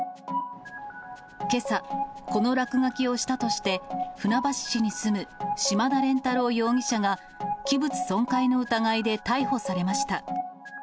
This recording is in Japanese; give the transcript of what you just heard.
けさ、この落書きをしたとして、船橋市に住む島田廉太郎容疑者が、器物損壊の疑いで逮捕されました。